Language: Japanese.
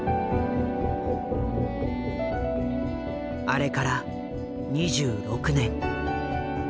あれから２６年。